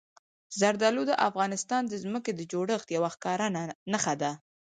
زردالو د افغانستان د ځمکې د جوړښت یوه ښکاره نښه ده.